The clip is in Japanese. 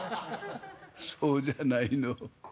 「そうじゃないの。